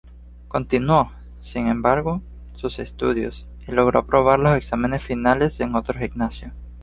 Continuó, sin embargo, sus estudios, y logró aprobar los exámenes finales en otro gimnasio.